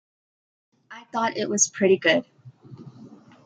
I thought it was pretty good.